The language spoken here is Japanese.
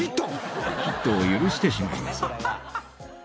［ヒットを許してしまいます］